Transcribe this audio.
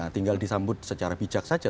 tinggal disambut secara bijak saja